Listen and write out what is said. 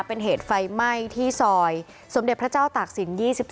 เป็นเหตุไฟไหม้ที่ซอยสมเด็จพระเจ้าตากศิลป์๒๖